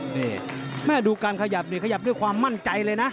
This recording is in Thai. นี่แม่ดูการขยับนี่ขยับด้วยความมั่นใจเลยนะ